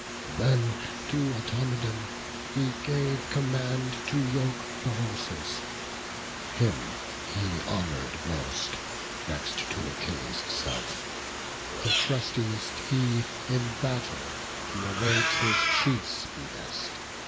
Then to Automedon he gave command To yoke the horses: him he honour'd most, Next to Achilles' self; the trustiest he In battle to await his chief's behest.